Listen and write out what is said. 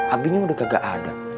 abinya udah gak ada